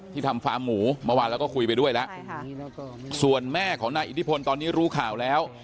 ทำฟาร์มหมูเมื่อวานเราก็คุยไปด้วยแล้วส่วนแม่ของนายอิทธิพลตอนนี้รู้ข่าวแล้ว